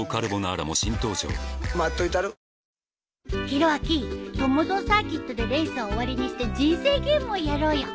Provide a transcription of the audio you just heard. ひろあき友蔵サーキットでレースは終わりにして人生ゲームをやろうよ。